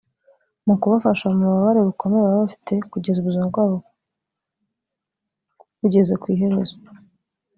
mu kubafasha mu bubabare bukomeye baba bafite kugeza ubuzima bwabo bugeze ku iherezo